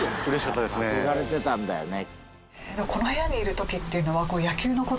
憧れてたんだよね。